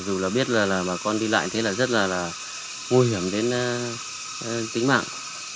dù là biết là mà con đi lại thế là rất là nguy hiểm đến tính mạng